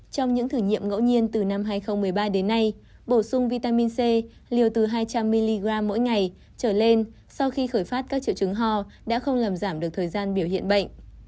trong những thử nghiệm ngẫu nhiên từ năm hai nghìn một mươi ba đến nay bổ sung vitamin c liều từ hai trăm linh mg mỗi ngày trở lên sau khi khởi phát các triệu chứng ho đã không làm giảm được thời gian biểu hiện bệnh